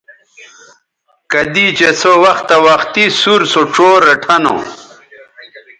کدی چہء سو وختہ وختی سُور سو ڇو ریٹھہ نو